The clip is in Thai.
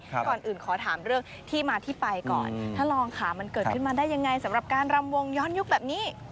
ก่อนอื่นขอถามเรื่องที่มาที่ไปก่อนท่านรองค่ะมันเกิดขึ้นมาได้ยังไงสำหรับการรำวงย้อนยุคแบบนี้